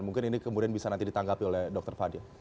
mungkin ini kemudian bisa nanti ditanggapi oleh dr fadil